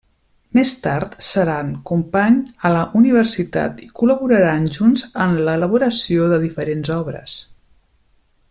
Més tard seran company a la universitat i col·laboraran junts en l'elaboració de diferents obres.